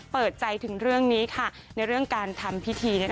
เปิดใจถึงเรื่องนี้ในเรื่องการทำพิธี